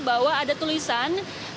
bahwa ada tulisan